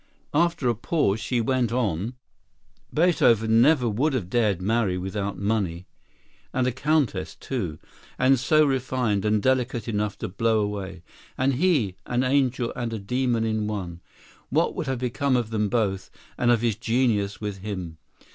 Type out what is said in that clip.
After a pause she went on: "Beethoven never would have dared marry without money, and a countess, too—and so refined, and delicate enough to blow away. And he—an angel and a demon in one! What would have become of them both, and of his genius with him?"